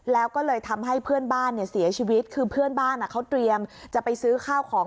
แล้วก็เลยทำให้เพื่อนบ้านเนี่ยเสียชีวิตคือเพื่อนบ้านเขาเตรียมจะไปซื้อข้าวของ